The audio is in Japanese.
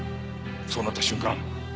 そうなった瞬間